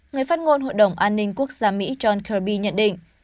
người phát ngôn hội đồng an ninh quốc gia mỹ john kirby nhận định